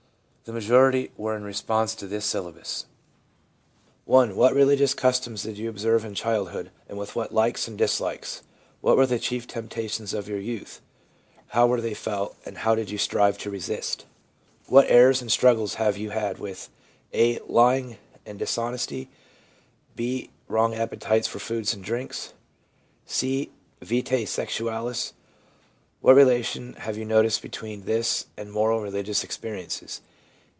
The majority were in response to this syllabus :—' I. What religious customs did you observe in child hood, and with what likes and dislikes ? What w r ere the chief temptations of your youth ? How were they felt, and how did you strive to resist ? What errors and struggles have you had with {a) lying and other dis honesty, (J?) wrong appetites for foods and drinks, (c) vita sexualis ? what relation have you noticed between SOURCES OF DATA 185 this and moral and religious experiences